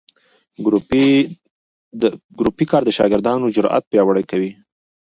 ګروپي کار د شاګردانو جرات پیاوړي کوي.